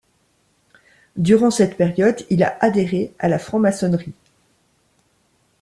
Durant cette période, il a adhéré à la Franc-maçonnerie.